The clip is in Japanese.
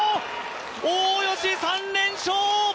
大吉、３連勝！